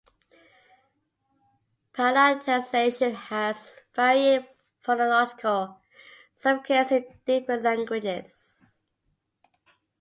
Palatalization has varying phonological significance in different languages.